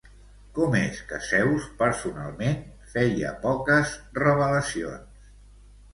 Com és que Zeus, personalment, feia poques revelacions?